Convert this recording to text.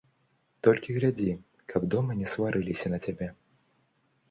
Толькі глядзі, каб дома не сварыліся на цябе.